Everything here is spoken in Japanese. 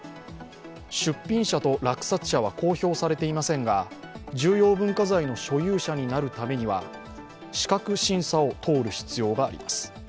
出品者と落札者は公表されていませんが重要文化財の所有者になるためには資格審査を通る必要があります。